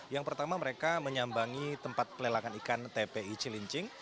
yang pertama mereka menyambangi tempat pelelangan ikan tpi cilincing